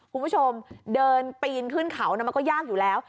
คุณผู้ชมเดินปีนขึ้นเขามันก็ยากอยู่แล้ว